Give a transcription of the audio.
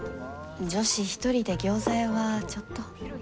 女子一人で餃子屋はちょっと。